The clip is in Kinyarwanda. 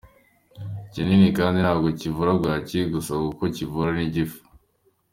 Ikinini kandi ntabwo kivura bwaki gusa kuko kivura n’igifu.